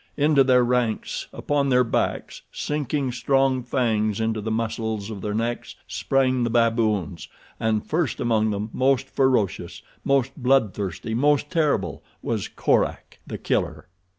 Into their ranks, upon their backs, sinking strong fangs into the muscles of their necks sprang the baboons and first among them, most ferocious, most blood thirsty, most terrible was Korak, The Killer.